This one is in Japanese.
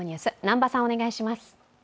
南波さん、お願いします。